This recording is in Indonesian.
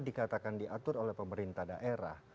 dikatakan diatur oleh pemerintah daerah